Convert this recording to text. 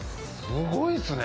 すごいっすね。